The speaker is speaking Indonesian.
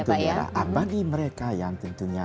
tergantung daerah apakah di mereka yang tentunya